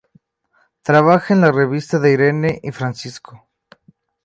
Trabaja en la revista de Irene y Francisco.